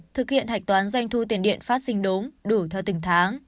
thực hiện hạch toán doanh thu tiền điện phát sinh đốm đủ theo từng tháng